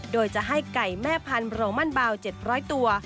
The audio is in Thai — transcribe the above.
โดยจะให้ไก่แม่พันธุโรมันบาว๗๐๐ตัว